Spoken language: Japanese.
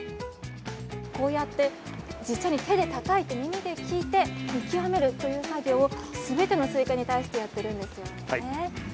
こうやって実に手でたたいて耳で聞いて見極めるという作業をすべてのスイカに対してやっているんですよね。